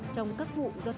trong các vụ do thiên tử